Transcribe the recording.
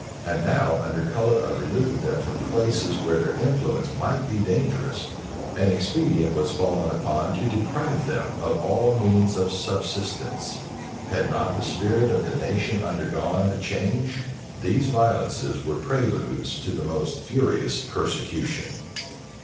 And now, under color of removing them from places where their influence might be dangerous, an expedient was fallen upon to deprive them of all means of subsistence. Had not the spirit of the nation undergone a change, these violences were preludes to the most furious persecution.